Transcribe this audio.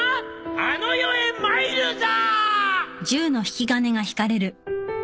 あの世へ参るぞ！